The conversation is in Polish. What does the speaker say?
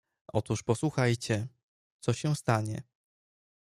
"Otóż posłuchajcie, co się stanie."